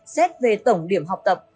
xét về tổng điểm học tập